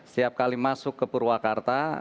setiap kali masuk ke purwakarta